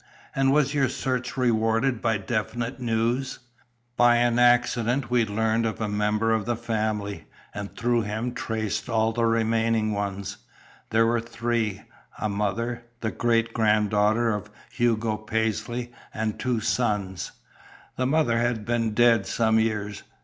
"And was your search rewarded by definite news?" "By an accident we learned of a member of the family, and through him traced all the remaining ones. They were three, a mother, the great granddaughter of Hugo Paisley, and two sons. The mother has been dead some years.